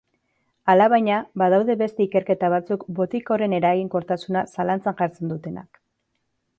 Alabaina, badaude beste ikerketa batzuk botika horren eraginkortasuna zalantzan jartzen dutenak.